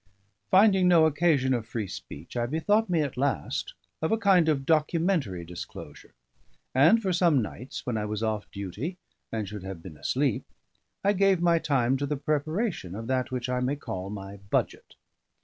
Finding no occasion of free speech, I bethought me at last of a kind of documentary disclosure; and for some nights, when I was off duty, and should have been asleep, I gave my time to the preparation of that which I may call my budget.